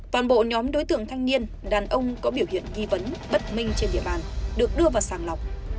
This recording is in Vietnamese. toàn bộ nhóm đối tượng thanh niên đàn ông có biểu hiện nghi vấn bất minh trên địa bàn được đưa vào sàng lọc